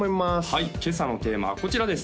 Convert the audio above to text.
はい今朝のテーマはこちらです